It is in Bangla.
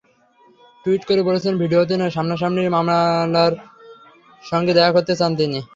টুইট করে বলেছেন, ভিডিওতে নয়, সামনাসামনিই মালালার সঙ্গে দেখা করতে চান তিনি।